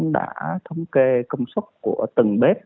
đã thống kê công suất của từng bếp